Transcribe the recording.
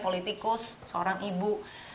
politikus seorang ibu